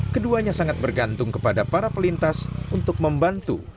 keduanya sangat bergantung kepada para pelintas untuk membantu